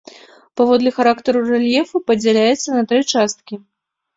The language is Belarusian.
Паводле характару рэльефу падзяляецца на тры часткі.